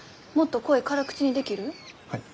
はい。